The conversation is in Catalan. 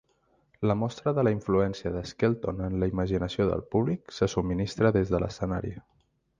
La mostra de la influència de Skelton en la imaginació del públic se subministra des de l'escenari.